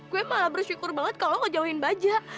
gue malah bersyukur banget kalau lo ngejauhin bajak